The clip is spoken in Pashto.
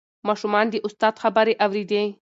ماشومان د استاد خبرې اورېدې.